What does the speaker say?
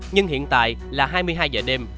nhưng hiện tại là hai mươi hai h đêm